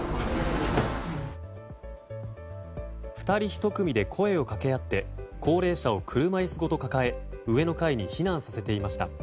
２人１組で声を掛け合って高齢者を車椅子ごと抱え上の階に避難させていました。